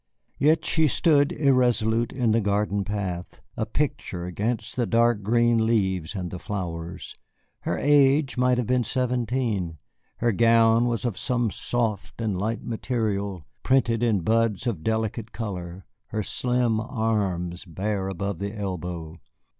Yet she stood irresolute in the garden path, a picture against the dark green leaves and the flowers. Her age might have been seventeen. Her gown was of some soft and light material printed in buds of delicate color, her slim arms bare above the elbow.